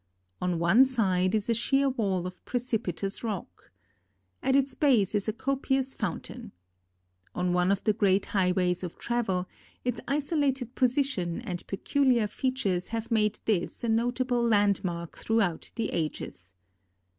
On one side is a sheer wall of precipitous rock. At its base is a copious fountain. On one of the great highways of travel, its isolated position and peculiar features have made this a notable landmark throughout the ages.